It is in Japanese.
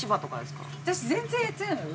私全然やってないのよ。